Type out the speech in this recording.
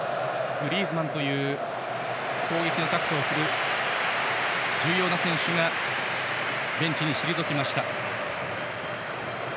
グリーズマンという攻撃のタクトを振る重要な選手がベンチに退きました。